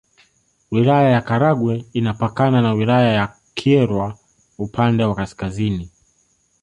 Wilaya ya Karagwe inapakana na Wilaya ya Kyerwa upande wa Kaskazini